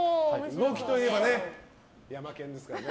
動きといえばヤマケンですからね。